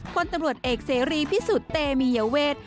พลตำรวจเอกเสรีพิสุทธิ์เตมียเวท